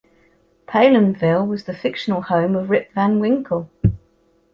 Palenville was the fictional home of Rip Van Winkle.